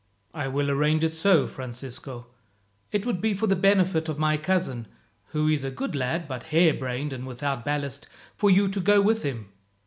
"I will arrange it so, Francisco. It would be for the benefit of my cousin who is a good lad, but harebrained, and without ballast for you to go with him.